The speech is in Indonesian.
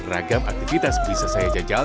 ragam aktivitas bisa saya jajal